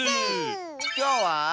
きょうは。